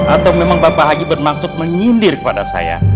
atau memang bapak haji bermaksud menyindir kepada saya